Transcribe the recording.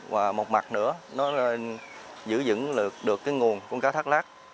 và một mặt nữa nó giữ dựng được nguồn con cá thác lát